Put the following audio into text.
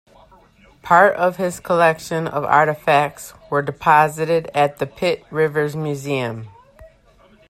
Part of his collection of artefacts were deposited at the Pitt Rivers Museum.